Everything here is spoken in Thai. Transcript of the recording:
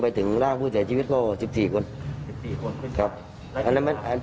ไปถึงร่างผู้ใส่ชีวิตก็สิบสี่คนสิบสี่คนครับ